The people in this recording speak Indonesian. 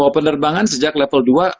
penerbangan sejak level dua